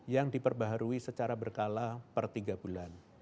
yang diperbaharui secara berkala per tiga bulan